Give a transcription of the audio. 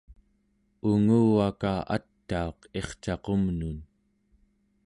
unguvaka atauq ircaqumnun